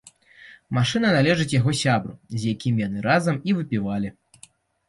Машына належыць яго сябру, з якім яны разам і выпівалі.